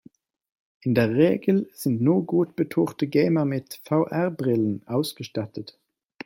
In der Regel sind nur gut betuchte Gamer mit VR-Brillen ausgestattet.